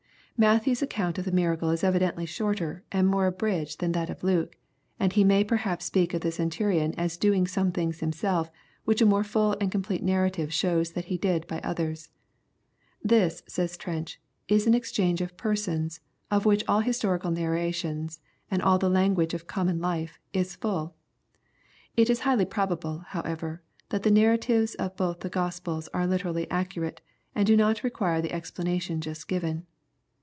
Matthew's account of the miracle is evidently shorter, and more abridged than that of Luke, and he may perhaps speak of the Centurion as doing some things himself which a more full and complete narrative shows that he did by others. This," says Trench, " is an exchange of persons, of which all historical narrations, and all the language of common life, is full." — It is highly probable, however, that the narratives of both the Gospels are literaUy accurate, and do not require the explanation just given.